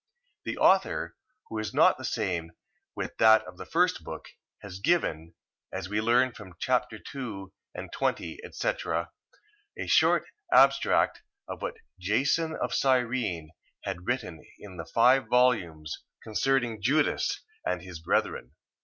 The author, who is not the same with that of the first book, has given (as we learn from chap. 2.20, etc.) a short abstract of what JASON of Cyrene had written in the five volumes, concerning JUDAS and his brethren.